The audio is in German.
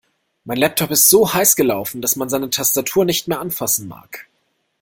Mein Laptop ist so heiß gelaufen, dass man seine Tastatur nicht mehr anfassen mag.